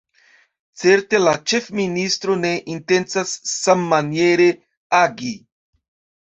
Certe la ĉefministro ne intencas sammaniere agi.